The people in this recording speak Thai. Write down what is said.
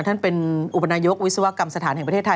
ท่านเป็นอุปนายกวิศวกรรมสถานแห่งประเทศไทย